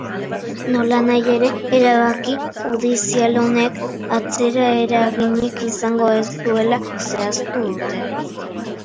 Nolanahi ere, erabaki judizial honek atzeraeraginik izango ez duela zehaztu dute.